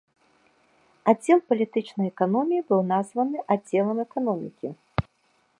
Аддзел палітычнай эканоміі быў названы аддзелам эканомікі.